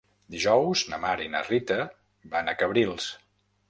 Dijous na Mar i na Rita van a Cabrils.